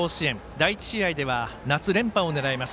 第１試合では夏連覇を狙います